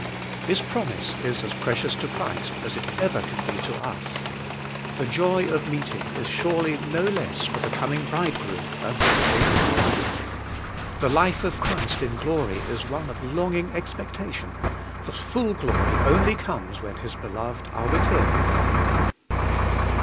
' This promise is as precious to Christ as it ever can be to us. The joy of meeting is surely no less THE GLORIFIED ONE, 233 for the coming Bridegroom than for the waiting bride. The life of Christ in glory is one of longing expectation: the full glory only comes when His beloved are with Him.